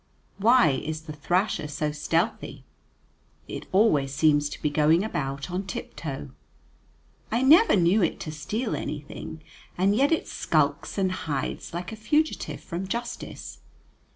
Why is the thrasher so stealthy? It always seems to be going about on tip toe. I never knew it to steal anything, and yet it skulks and hides like a fugitive from justice.